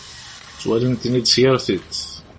Twalin-tent-id s yir tiṭ.